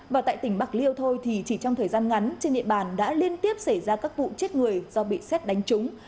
và tại tỉnh bạc liêu thôi thì chỉ trong thời gian ngắn trên địa bàn đã liên tiếp xảy ra các vụ chết người do bị xét đánh trúng